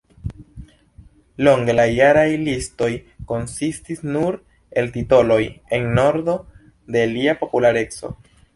Longe la jaraj listoj konsistis nur el titoloj en ordo de ilia populareco.